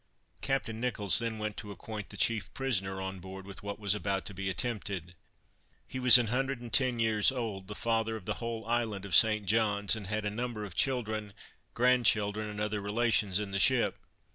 Captain Nicholls then went to acquaint the chief prisoner on board with what was about to be attempted. He was an hundred and ten years old, the father of the whole island of St. John's, and had a number of children, grand children and other relations, in the ship.